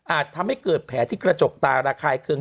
อาจทำให้เกิดแผลที่กระจกตาราไข่เกิน